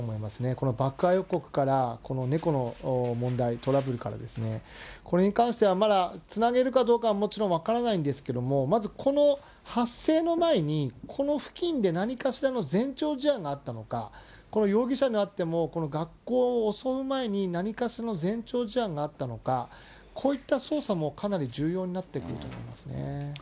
この爆破予告から、この猫の問題、トラブルからですね、これに関してはまだつなげるかどうかはもちろん分からないんですけれども、まずこの発生の前に、この付近で何かしらの前兆事案があったのか、この容疑者にあっても、学校を襲う前に何かその前兆事案があったのか、こういった捜査もかなり重要になってくると思いますね。